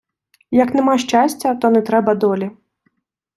Як нема щастя, то не треба долі.